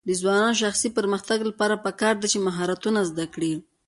د ځوانانو د شخصي پرمختګ لپاره پکار ده چې مهارتونه زده کړي.